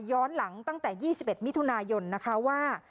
ย้อนหลังตั้งแต่๒๑มิถุนายนนะคะว่า